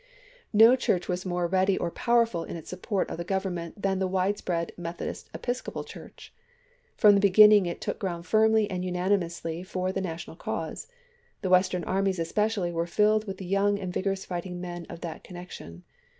No church was more ready or powerful in its support of the Grovernment than the widespread Methodist Episcopal Church. From the beginning it took ground firmly and unanimously for the national cause ; the Western armies especially were filled with the young and vigorous fighting men of that connection.